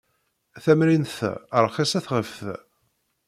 Tamrint-a rxiset ɣef ta.